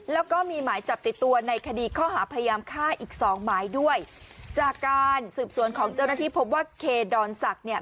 แล้วก็มีหมายจับติดตัวในคดีข้อหาพยายามฆ่าอีกสองหมายด้วยจากการสืบสวนของเจ้าหน้าที่พบว่าเคดอนศักดิ์เนี่ย